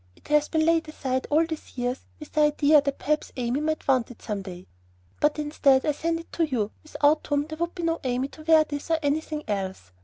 It has been laid aside all these years with the idea that perhaps Amy might want it some day; but instead I send it to you, without whom there would be no Amy to wear this or anything else.